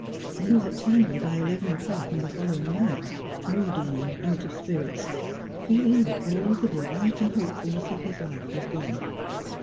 He was at Tangley by eleven o'clock on the following night, moody and out of spirits, feeling that all the delight and hope fulness of his life was gone.